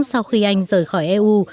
sau khi anh rời khỏi eu